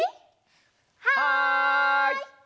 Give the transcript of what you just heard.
はい！